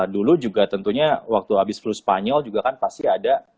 dulu juga tentunya waktu habis flu spanyol juga kan pasti ada